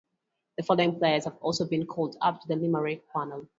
The following players have also been called up to the Limerick panel.